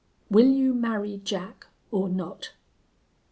Will you marry Jack or not?"